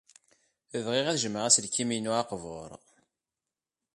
Bɣiɣ ad jemɛeɣ aselkim-inu aqbur.